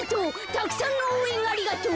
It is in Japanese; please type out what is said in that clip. たくさんのおうえんありがとう。